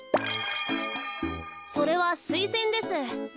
それはスイセンです。